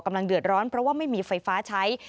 เดือดร้อนเพราะว่าไม่มีไฟฟ้าใช้